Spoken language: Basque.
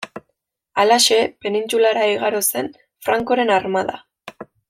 Halaxe, penintsulara igaro zen Francoren armada.